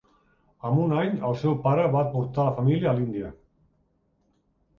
Amb un any, el seu pare va portar la família a l'Índia.